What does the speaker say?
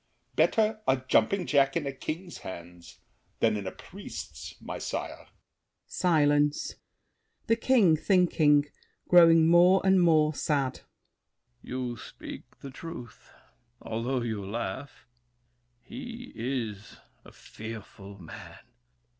Better a jumping jack in a king's hands Than in a priest's, my sire. [Silence. THE KING (thinking, growing more and more sad). You speak the truth, Although you laugh. He is a fearful man!